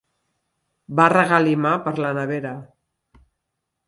Va regalimar per la nevera.